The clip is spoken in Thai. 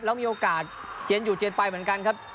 แล้วมีโอกาสเจียนอยู่เจียนไปเหมือนกันครับ